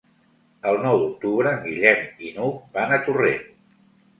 El nou d'octubre en Guillem i n'Hug van a Torrent.